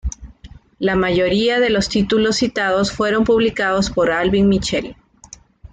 La mayoría de los títulos citados fueron publicados por Albin Michel.